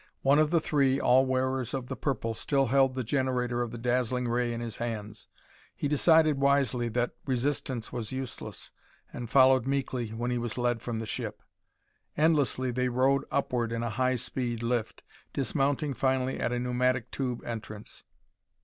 One of the three all wearers of the purple still held the generator of the dazzling ray in his hands. He decided wisely that resistance was useless and followed meekly when he was led from the ship. Endlessly they rode upward in a high speed lift, dismounting finally at a pneumatic tube entrance.